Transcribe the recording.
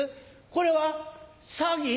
これは詐欺？